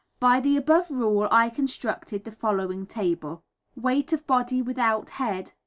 By the above rule I constructed the following table: Weight of body without head.